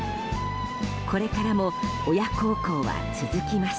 これからも親孝行は続きます。